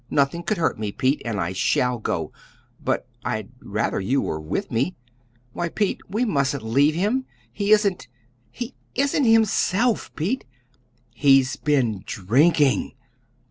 Nothing could hurt me, Pete, and I shall go; but I'd rather you were with me. Why, Pete, we mustn't leave him. He isn't he isn't HIMSELF, Pete. He he's been DRINKING!"